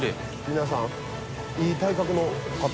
皆さんいい体格の方。